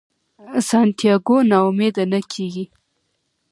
سانتیاګو نا امیده نه کیږي.